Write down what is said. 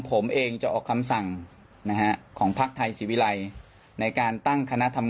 ผมเองจะออกคำสั่งนะฮะของพักไทยศิวิรัยในการตั้งคณะทำงาน